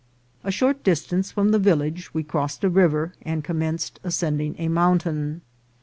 A short dis tance from the village we crossed a river and commen ced ascending a mountain.